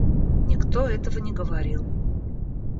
Никто этого не говорил.